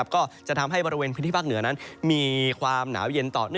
ก็จะทำให้บริเวณพื้นที่ภาคเหนือนั้นมีความหนาวเย็นต่อเนื่อง